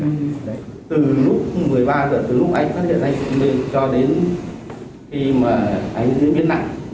nhưng từ lúc một mươi ba h từ lúc anh phát hiện anh lên cho đến khi mà anh diễn biến nặng